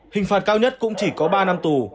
hình phạt cao nhất cũng chỉ có ba năm tù